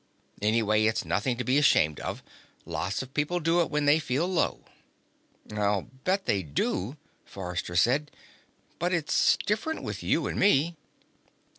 "Anyway, it's nothing to be ashamed of. Lots of people do it when they feel low." "I'll bet they do," Forrester said. "But it's different with you and me."